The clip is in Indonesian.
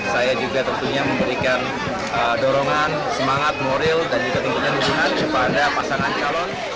saya juga tentunya memberikan dorongan semangat moral dan juga tentunya dukungan kepada pasangan calon